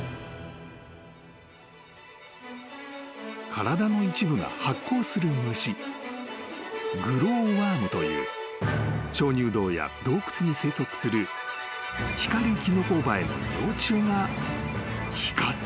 ［体の一部が発光する虫グローワームという鍾乳洞や洞窟に生息するヒカリキノコバエの幼虫が光っていたのだ］